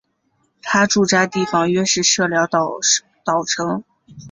他驻扎地方约是社寮岛城。